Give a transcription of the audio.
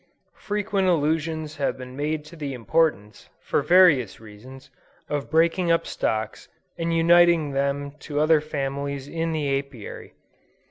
Frequent allusions have been made to the importance, for various reasons, of breaking up stocks and uniting them to other families in the Apiary.